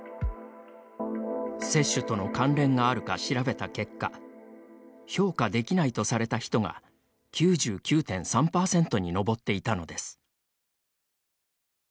接種との関連があるか調べた結果「評価できない」とされた人が９９．３％に上っていたのです。